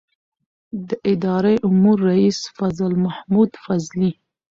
د اداره امور رئیس فضل محمود فضلي